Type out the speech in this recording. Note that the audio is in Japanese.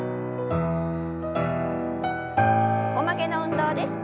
横曲げの運動です。